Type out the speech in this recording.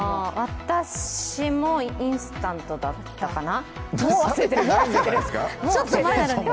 私もインスタントだったかなもう忘れてる。